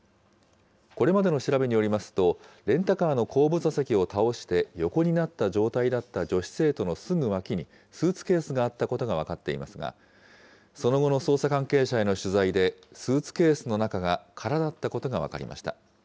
これまでの調べによりますと、レンタカーの後部座席を倒して横になった状態だった女子生徒のすぐ脇に、スーツケースがあったことが分かっていますが、その後の捜査関係者への取材で、スーツケースの中が空だったことが分かりました。